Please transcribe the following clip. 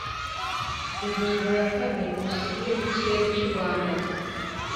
Ingingo ya kane Ubusugire bw’ikirere cy’u Rwanda